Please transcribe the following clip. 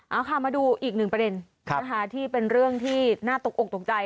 เอาค่ะมาดูอีกหนึ่งประเด็นนะคะที่เป็นเรื่องที่น่าตกอกตกใจ